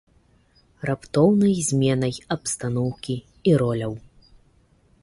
Раптоўнай зменай абстаноўкі і роляў.